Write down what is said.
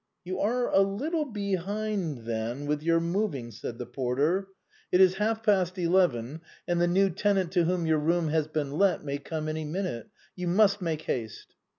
" You are a little behind hand then with your moving," said the porter ;" it is half past eleven, and the new tenant to whom your room has been let may come any minute. You must make haste."